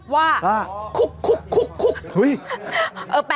ว่า